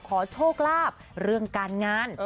ขอโชคลาภเรื่องการงาน